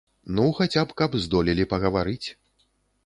Ну, хаця б, каб здолелі пагаварыць.